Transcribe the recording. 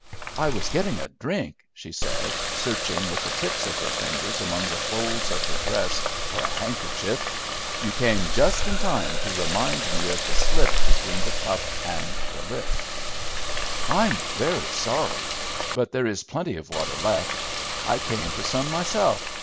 "I was getting a drink," she said, searching with the tips of her fingers among the folds of her dress for a handkerchief. "You came just in time to remind me of the slip between the cup and the lip." "I'm very sorry, but there is plenty of water left. I came for some myself.